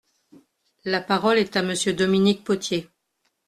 La parole est à Monsieur Dominique Potier.